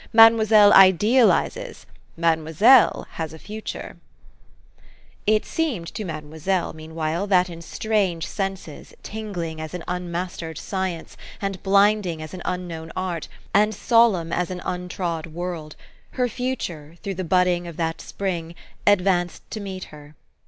Mademoiselle idealizes . Mademoiselle has a future .'' It seemed to Mademoiselle, meanwhile, that in strange senses, tingling as an unmastered science, and blinding as an unknown art, and solemn as an untrod world, her future, through the budding of that spring, advanced to meet her.